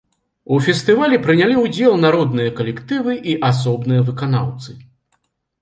У фестывалі прынялі ўдзел народныя калектывы і асобныя выканаўцы.